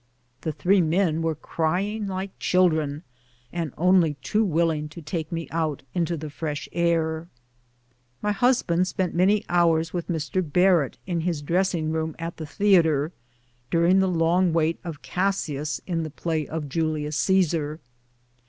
The three men were crying like children, and only too willing to take me out into the fresh air. My husband spent many hours with Mr. Barrett in liis dressing room at the theatre, during the long wait of Cassiiis in the play of '' Julius Caesar."